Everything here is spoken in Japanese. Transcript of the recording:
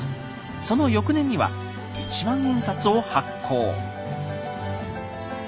その翌年には一万円札を発行。